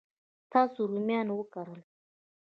تاسو رومیان وکرل؟